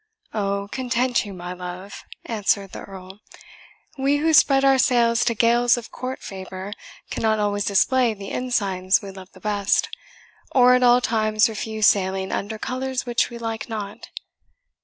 "Oh, content you, my love," answered the Earl; "we who spread our sails to gales of court favour cannot always display the ensigns we love the best, or at all times refuse sailing under colours which we like not.